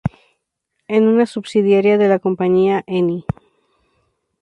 Es una subsidiaria de la compañía Eni.